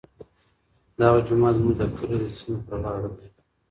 دغه جومات زموږ د کلي د سیند پر غاړه دی.